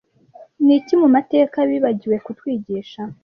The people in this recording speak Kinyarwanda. Niki mumateka bibagiwe kutwigisha